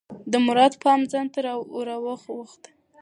د مراد پام ځان ته راواووخته.